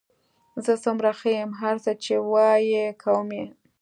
زه څومره ښه یم، هر څه چې وایې کوم یې.